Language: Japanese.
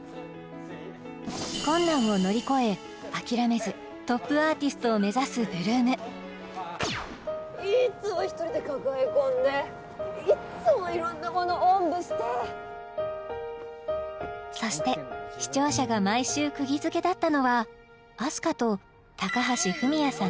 困難を乗り越え諦めずトップアーティストを目指す８ＬＯＯＭいつも１人で抱え込んでいっつもいろんなものおんぶしてそして視聴者が毎週くぎづけだったのはあす花と高橋文哉さん